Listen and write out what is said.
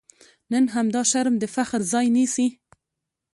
نن همدا شرم د فخر ځای نیسي.